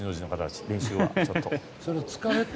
練習はちょっと。